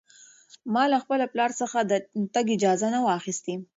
ما له خپل پلار څخه د تګ اجازه نه وه اخیستې.